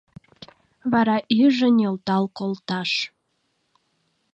Вара иже нӧлтал колташ.